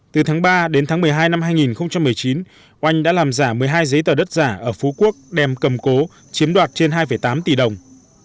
từ tháng ba đến tháng một mươi hai năm hai nghìn một mươi chín oanh đã làm giả một mươi hai giấy tờ đất giả ở phú quốc đem cầm cố chiếm đoạt trên hai tám tỷ đồng